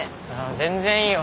全然いいよ。